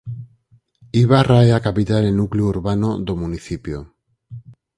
Ibarra é a capital e núcleo urbano do municipio.